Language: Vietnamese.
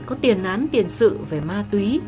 có tiền án tiền sự về ma túy